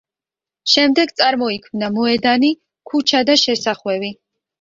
შემდეგ წარმოიქმნა მოედანი, ქუჩა და შესახვევი.